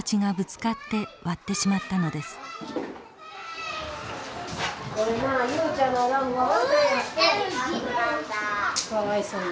かわいそうに。